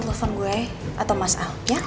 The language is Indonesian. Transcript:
telepon gue atau mas ahok